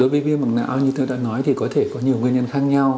đối với viêm mảng não như tôi đã nói thì có thể có nhiều nguyên nhân khác nhau